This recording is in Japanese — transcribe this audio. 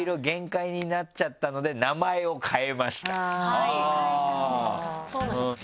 はいそうなんですよ。